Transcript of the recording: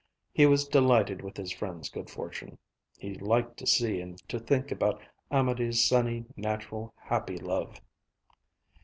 He was delighted with his friend's good fortune. He liked to see and to think about Amédée's sunny, natural, happy love.